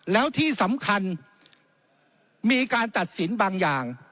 แล้วที่สำคัญมีการตัดสินบางอย่าง